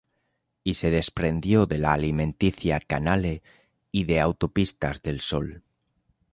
Y se desprendió de la alimenticia Canale y de Autopistas del Sol.